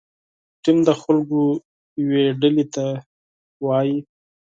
ټیم د خلکو یوې ډلې ته وایي.